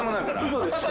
嘘でしょ。